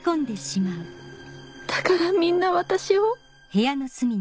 だからみんな私を